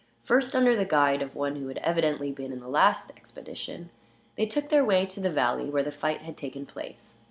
First, under the guidance of one who had evidently been in the last expedition, they took their way to the valley where the fight had taken place.